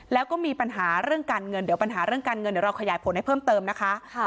แล้วก็มีปัญหาเรื่องการเงินเดี๋ยวปัญหาเรื่องการเงินเดี๋ยวเราขยายผลให้เพิ่มเติมนะคะ